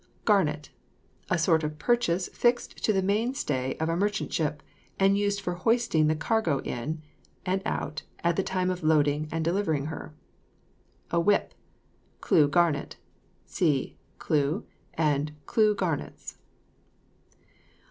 GARNET. A sort of purchase fixed to the main stay of a merchant ship, and used for hoisting the cargo in and out at the time of loading or delivering her. A whip. Clue garnet. (See CLUE and CLUE GARNETS.)